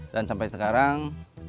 dan sampai sekarang